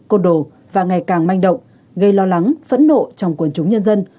côn đồ và ngày càng manh động gây lo lắng phẫn nộ trong quần chúng nhân dân